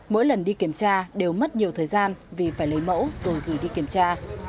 mỗi lần đi kiểm tra đều mất nhiều thời gian vì phải lấy mẫu rồi gửi đi kiểm tra